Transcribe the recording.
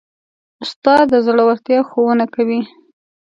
استاد د زړورتیا ښوونه کوي.